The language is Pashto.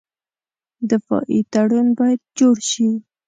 دفاعي تړون باید جوړ شي.